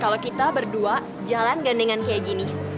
kalau kita berdua jalan gandengan kayak gini